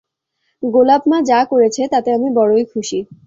গোলাপ-মা যা করেছে, তাতে আমি বড়ই খুশী।